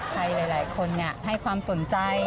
ใครหลายคนให้ความสนใจ